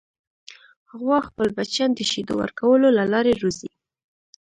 غوا خپل بچیان د شیدو ورکولو له لارې روزي.